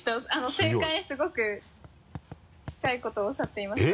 正解にすごく近いことをおっしゃっていました。